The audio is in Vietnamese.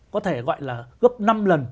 có thể gọi là gấp năm lần